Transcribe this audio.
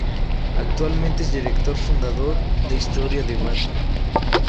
Actualmente es director-fundador de Historia a Debate.